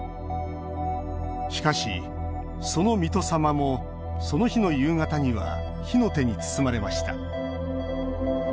しかし、その水戸様もその日の夕方には火の手に包まれました。